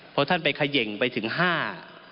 พอท่านไปเขย่งไปถึงห้า